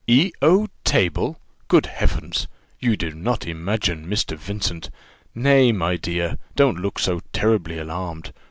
"E O table! Good Heavens! you do not imagine Mr. Vincent " "Nay, my dear, don't look so terribly alarmed!